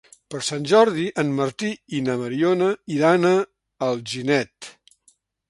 Per Sant Jordi en Martí i na Mariona iran a Alginet.